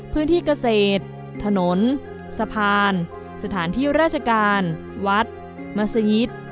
พื้นที่เกษตรถนนสะพานสถานที่ราชการวัดมัศยิต